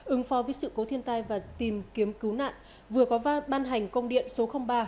ứng phó với sự cố thiên tai và tìm kiếm cứu nạn vừa có ban hành công điện số ba